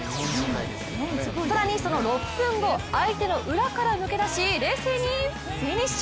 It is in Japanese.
更にその６分後、相手の裏から抜け出し冷静にフィニッシュ。